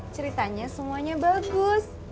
ceritanya semuanya bagus